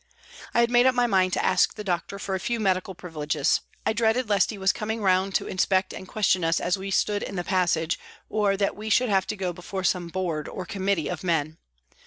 I had made up my mind to ask the doctor for a few medical privileges. I dreaded lest he was coming round to inspect and question us as we stood in the passage, or that we should have to go before some " board " or " committee " of men.